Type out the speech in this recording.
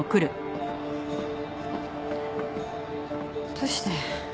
どうして？